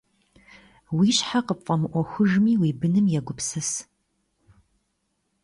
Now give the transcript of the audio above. Уи щхьэ къыпфӀэмыӀуэхужми, уи быным егупсыс.